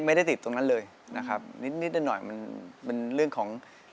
ไม่ได้ติดตรงนั้นเลยนะครับนิดนิดหน่อยมันเป็นเรื่องของ